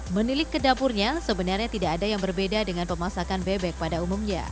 menilik ke dapurnya sebenarnya tidak ada yang berbeda dengan pemasakan bebek pada umumnya